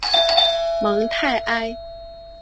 芒泰埃。